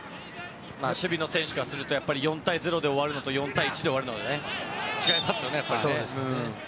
守備の選手からすると４対０で終わるのと４対１で終わるのでは違いますよね、やっぱり。